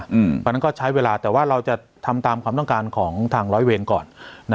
เพราะฉะนั้นก็ใช้เวลาแต่ว่าเราจะทำตามความต้องการของทางร้อยเวรก่อน